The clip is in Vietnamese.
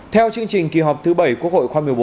theo chương trình kỳ họp thứ bảy quốc hội khoa một mươi bốn